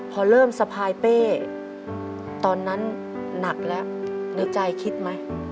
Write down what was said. พอเริ่มสะพายเป้ตอนนั้นหนักแล้วในใจคิดไหม